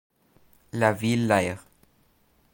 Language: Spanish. La Vieille-Lyre